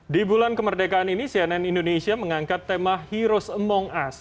di bulan kemerdekaan ini cnn indonesia mengangkat tema heroes among us